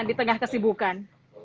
di tengah kesibukan